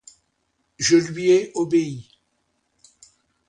Je lui ai obéi.